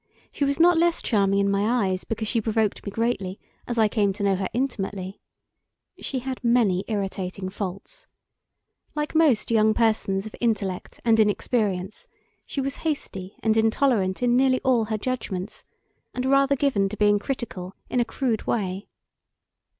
She was not less charming in my eyes because she provoked me greatly as I came to know her intimately. She had many irritating faults. Like most young persons of intellect and inexperience, she was hasty and intolerant in nearly all her judgments, and rather given to being critical in a crude way.